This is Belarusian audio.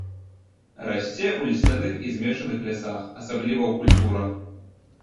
Расце ў лісцяных і змешаных лясах, асабліва ў культурах.